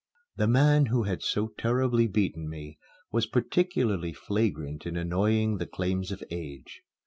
The man who had so terribly beaten me was particularly flagrant in ignoring the claims of age.